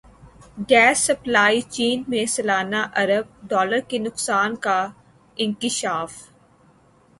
gas supply chain میں سالانہ ارب ڈالر کے نقصان کا انکشاف